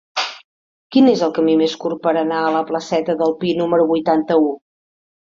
Quin és el camí més curt per anar a la placeta del Pi número vuitanta-u?